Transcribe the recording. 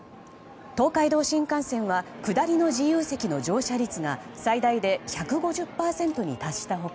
東海道新幹線は下りの自由席の乗車率が最大で１５０％に達した他